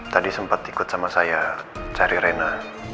tadi sempat ikut sama saya cari rena